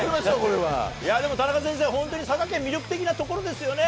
でも田中先生、本当に佐賀県、魅力的な所ですよね。